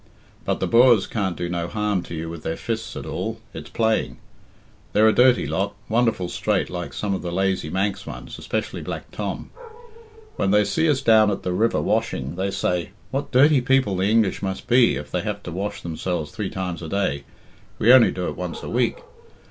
But the Boers can't do no harm to you with their fists at all it's playing. They're a dirty lot, wonderful straight like some of the lazy Manx ones, especially Black Tom. When they see us down at the river washing, they say, 'What dirty people the English must be if they have to wash themselves three times a day we only do it once a week.'